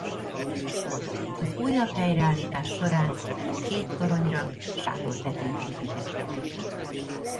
Az újabb helyreállítás során a két toronyra sátortetőt építettek.